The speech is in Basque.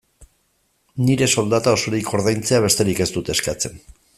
Nire soldata osorik ordaintzea besterik ez dut eskatzen.